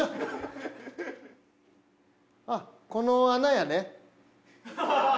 「あっこの穴やね」。